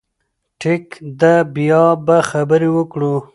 ټيک ده، بيا به خبرې وکړو